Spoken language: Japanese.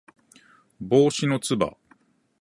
帽子のつば